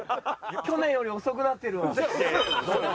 去年より遅くなってるわ。